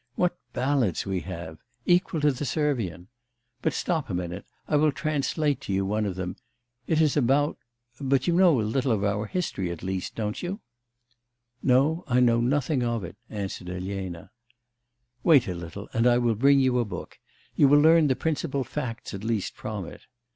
What ballads we have! equal to the Servian. But stop a minute, I will translate to you one of them. It is about... But you know a little of our history at least, don't you?' 'No, I know nothing of it,' answered Elena. 'Wait a little and I will bring you a book. You will learn the principal facts at least from it.